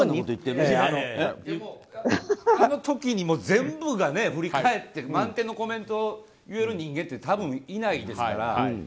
あの時に全部が振り返って満点のコメントを言える人間って多分いないですから。